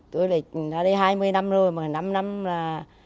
tôi đã đi hai mươi năm rồi mà năm năm là